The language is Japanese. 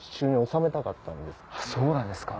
そうなんですか。